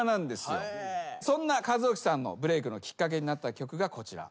そんな和興さんのブレークのきっかけになった曲がこちら。